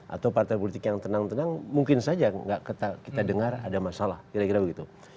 atau partai politik yang tenang tenang mungkin saja kita dengar ada masalah kira kira begitu